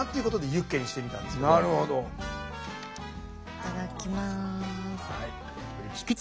いただきます。